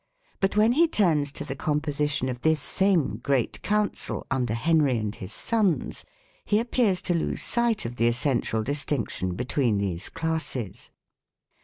3 But when he turns to the composition of this same great council " under Henry and his sons," he appears to lose sight of the essential distinction between these classes.